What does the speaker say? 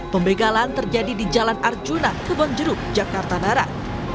pembegalan terjadi di jalan arjuna kebonjeruk jakarta barat